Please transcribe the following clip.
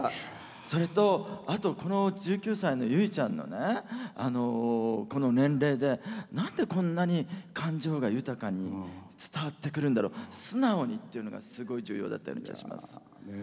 それと、あと１９歳の結ちゃんのこの年齢で、なんでこんなに感情が豊かに伝わってくるんだろう素直にっていうのがすごい重要だった気がします。